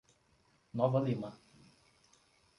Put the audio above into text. Nova Lima